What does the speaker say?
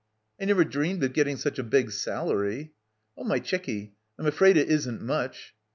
'I never dreamed of getting such a big salary." f Oh, my chickie, I'm afraid it isn't much."